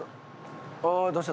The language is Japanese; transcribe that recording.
どうした？